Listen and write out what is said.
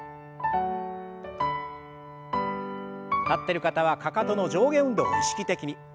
立ってる方はかかとの上下運動を意識的に。